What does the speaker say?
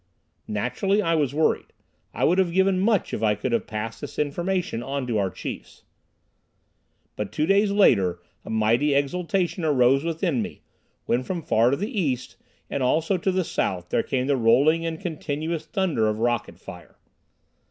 Naturally I was worried. I would have given much if I could have passed this information on to our chiefs. But two days later a mighty exultation arose within me, when from far to the east and also to the south there came the rolling and continuous thunder of rocket fire.